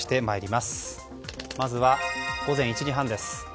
まずは午前１時半です。